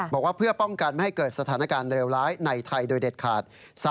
บอกว่าเพื่อป้องกันไม่ให้เกิดสถานการณ์เลวร้ายในไทยโดยเด็ดขาด